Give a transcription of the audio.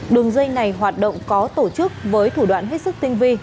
đường dây này hoạt động có tổ chức với thủ đoạn hết sức tinh vi